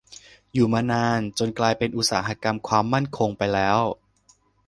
อยู่มานานจนเป็น "อุตสาหกรรมความมั่นคง" ไปแล้ว